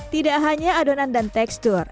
tidak hanya adonan dan tekstur